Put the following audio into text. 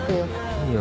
いいよ